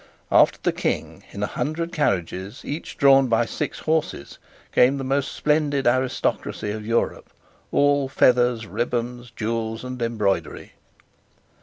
After the King, in a hundred carriages each drawn by six horses, came the most splendid aristocracy of Europe, all feathers, ribands, jewels, and embroidery.